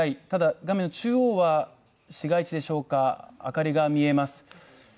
ただ、画面の中央は市街地でしょうか明かりが見えます。